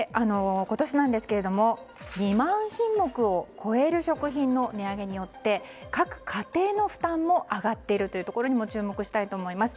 今年、２万品目を超える食品の値上げによって、各家庭の負担も上がっているというところにも注目したいと思います。